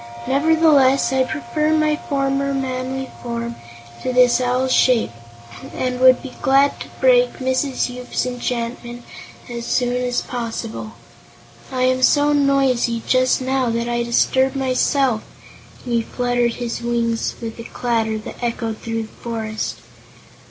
Nevertheless, I prefer my former manly form to this owl's shape and would be glad to break Mrs. Yoop's enchantment as soon as possible. I am so noisy, just now, that I disturb myself," and he fluttered his wings with a clatter that echoed throughout the forest.